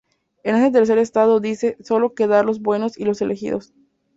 En este tercer estado, dice, sólo quedarán los buenos y los elegidos.